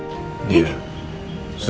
iya sesuai sama di ktp sih